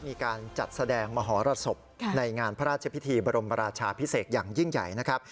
มีการจัดแสดงมหรสบในงานพระราชพิธีบรมราชาพิเศษอย่างยิ่งใหญ่นะครับ